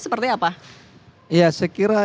seperti apa ya saya kira